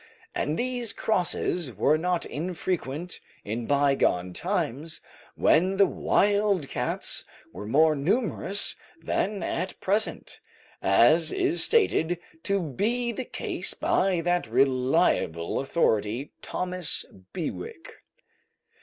And these crosses were not infrequent in bygone times when the wild cats were more numerous than at present, as is stated to be the case by that reliable authority, Thomas Bewick.